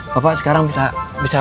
bapak sekarang bisa